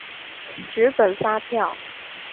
紙本發票